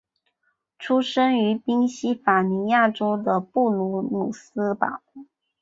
出生于宾夕法尼亚州的布卢姆斯堡。